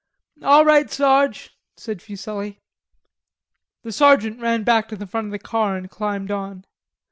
"All right, Sarge," said Fuselli. The sergeant ran back to the front of the car and climbed on.